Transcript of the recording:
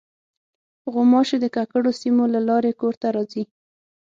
غوماشې د ککړو سیمو له لارې کور ته راځي.